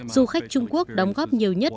du khách trung quốc đóng góp nhiều nhất